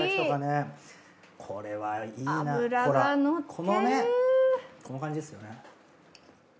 このねこの感じですよね。